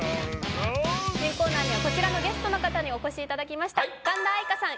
新コーナーにはこちらのゲストの方にお越しいただきました神田愛花さん